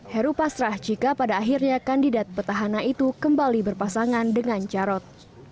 heru pasrah jika pada akhirnya kandidat petahana itu kembali berpasangan dengan jarod